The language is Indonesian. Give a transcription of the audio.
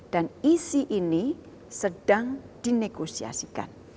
dan isi ini sedang dinegosiasikan